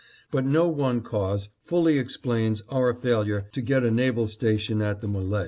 " But no one cause fully explains our failure to get a naval station at the M61e.